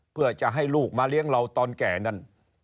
เพื่อจะให้ลูกมาเลี้ยงเราตอนแก่นั้น